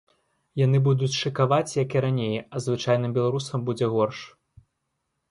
Яны будуць шыкаваць як і раней, а звычайным беларусам будзе горш.